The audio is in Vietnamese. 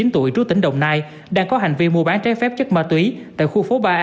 chín mươi tuổi trú tỉnh đồng nai đang có hành vi mua bán trái phép chất ma túy tại khu phố ba a